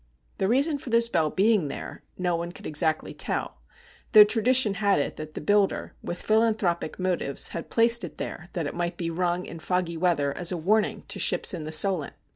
The reason for this bell being there, no one could exactly tell, though tradition had it that the builder, with philanthropic motives, had placed it there that it might be rung in foggy weather as a warning to ships in the Solent.